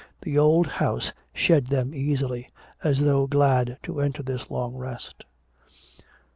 The old house shed them easily, as though glad to enter this long rest.